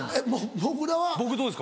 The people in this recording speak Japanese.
僕どうですか？